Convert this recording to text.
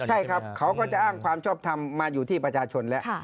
ใช่ครับเขาก็จะอ้างความชอบทำมาอยู่ที่ประชาชนแล้ว